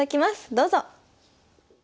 どうぞ。